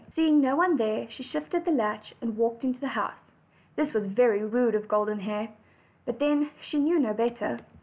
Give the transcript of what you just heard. Seeing no one there she lifted the latch and walked into the house. This was very rude of Golden Hair; but then she knew no bettor.